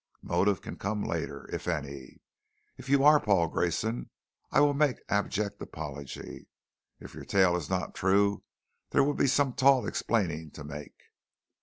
Motive can come later if any. If you are Paul Grayson, I will make abject apology. If your tale is not true, there will be some tall explaining to make."